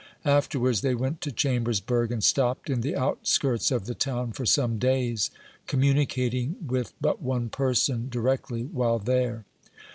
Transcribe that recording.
Afterwards, they went to Chambersburg, and stopped in the outskirts of the town for some days, com municating with but one person, directly, while there.